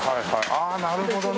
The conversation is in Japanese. ああなるほどね。